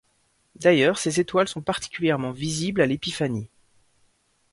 D'ailleurs, ces étoiles sont particulièrement visibles à l'Épiphanie.